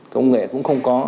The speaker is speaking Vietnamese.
công nghệ cũng không có